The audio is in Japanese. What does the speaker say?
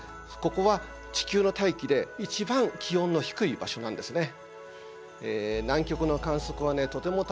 ここは地球の大気で一番気温の低い場所なんですね。